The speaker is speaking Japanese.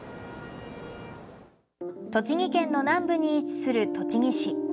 栃木県の南部に位置する栃木市。